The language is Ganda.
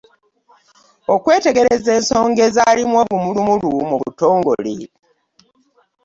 Okwetegereza ensonga ezaalimu obumulumulu mu butongole